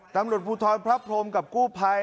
ตำรวจภูทรพระพรมกับกู้ภัย